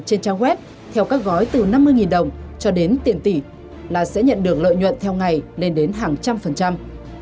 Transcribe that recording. trên trang web theo các gói từ năm mươi đồng cho đến tiền tỷ là sẽ nhận được lợi nhuận theo ngày lên đến hàng trăm phần trăm